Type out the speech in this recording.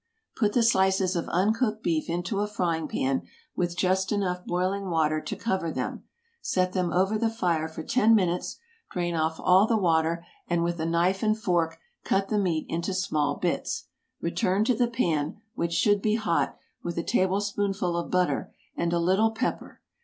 Put the slices of uncooked beef into a frying pan with just enough boiling water to cover them; set them over the fire for ten minutes, drain off all the water, and with a knife and fork cut the meat into small bits. Return to the pan, which should be hot, with a tablespoonful of butter and a little pepper.